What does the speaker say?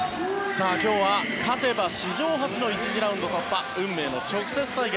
今日は勝てば史上初の１次ラウンド突破運命の直接対決